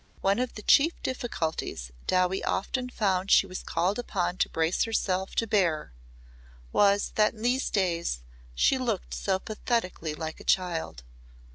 One of the chief difficulties Dowie often found she was called upon to brace herself to bear was that in these days she looked so pathetically like a child.